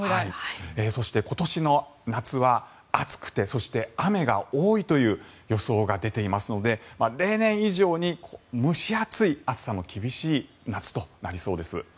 そして、今年の夏は暑くて、そして雨が多いという予想が出ていますので例年以上に蒸し暑い、暑さの厳しい夏となりそうです。